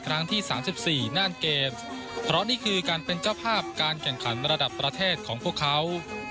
ครั้งที่๓๔น่านเกมส์เพราะนี่คือการเป็นเจ้าภาพการแข่งขันระดับประเทศของพวกเขา